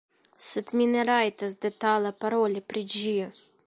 Sed mi ne rajtas detale paroli pri ĝi.